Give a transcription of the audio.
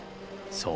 そう。